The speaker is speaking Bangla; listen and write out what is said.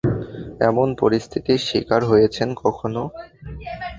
এমন পরিস্থিতির স্বীকার হয়েছেন কখনো?